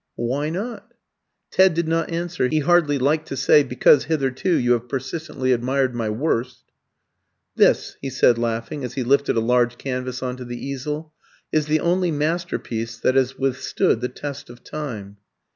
"Why not?" Ted did not answer: he hardly liked to say, "Because hitherto you have persistently admired my worst." "This," he said, laughing, as he lifted a large canvas on to the easel, "is the only masterpiece that has withstood the test of time."